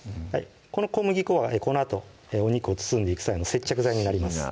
この小麦粉は粉とお肉を包んでいく際の接着剤になります